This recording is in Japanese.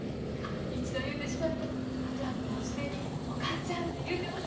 一度言うてしまうとあとはもう自然にお母ちゃんて言うてます。